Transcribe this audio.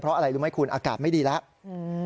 เพราะอะไรรู้ไหมคุณอากาศไม่ดีแล้วอืม